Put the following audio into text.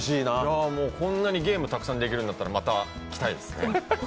こんなにゲームたくさんできるんだったら、また来たいですね。